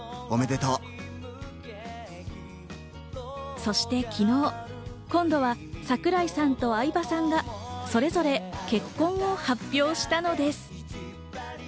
そして昨日、今度は櫻井さんと相葉さんがそれぞれ結婚を発表したのです。